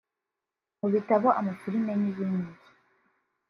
mu bitabo amafilimi n’ibindi